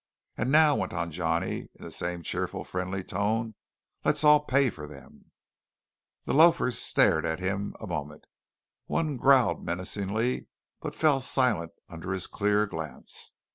"And now," went on Johnny in the same cheerful, friendly tone, "let's all pay for them!" The loafers stared at him a moment. One growled menacingly, but fell silent under his clear glance.